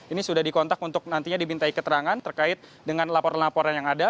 ini sudah dikontak untuk nantinya dibintai keterangan terkait dengan laporan laporan yang ada